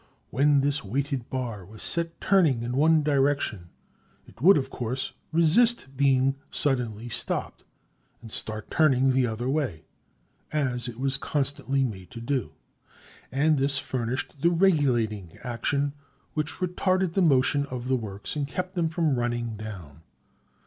When this weighted bar was set turning in one direction, it would, of course, resist being suddenly stopped and started turning the other way, as it was constantly made to do. And this furnished the regulating action which retarded the motion of the works and kept them from running down.